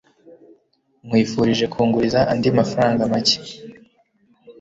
Nkwifurije kunguriza andi mafaranga make.